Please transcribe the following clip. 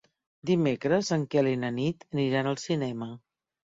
Dimecres en Quel i na Nit aniran al cinema.